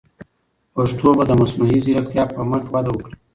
پښتو به د مصنوعي ځیرکتیا په مټ وده وکړي.